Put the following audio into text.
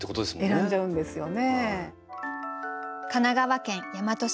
選んじゃうんですよね。